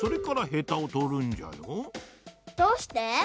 どうして？